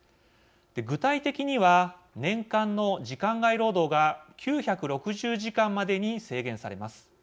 具体的には年間の時間外労働が９６０時間までに制限されます。